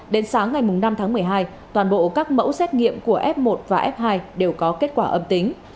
đến sáng ngày năm tháng một mươi hai toàn bộ các mẫu xét nghiệm của f một và f hai đều có kết quả âm tính